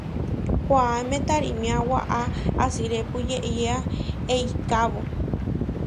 Koʼáme tarímia waʼá asirépu yeʼyéa eikábo.